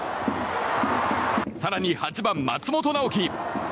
更に８番、松本直樹。